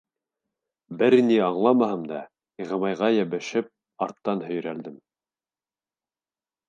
Бер ни аңламаһам да, Ғимайға йәбешеп арттан һөйрәлдем.